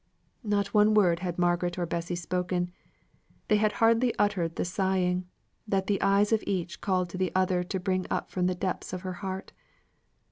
Not one word had Margaret or Bessy spoken. They had hardly uttered the sighing, that the eyes of each called to the other to bring up from the depths of her heart.